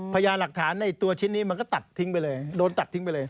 พยายามหลักฐานในตัวชิ้นนี้มันก็ตัดทิ้งไปเลยโดนตัดทิ้งไปเลย